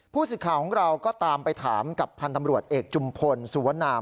ผู้สิทธิ์ข่าวของเราก็ตามไปถามกับพันธรรมรวชเอกจุมพลสวนอาม